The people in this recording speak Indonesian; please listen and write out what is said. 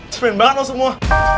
cemen banget lo semua